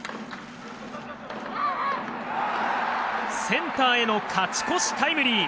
センターへの勝ち越しタイムリー。